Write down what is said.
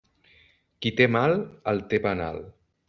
Qui té mal, el té venal.